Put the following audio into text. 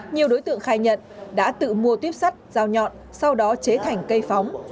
nhiều đối tượng khai nhận đã tự mua tuyếp sắt dao nhọn sau đó chế thành cây phóng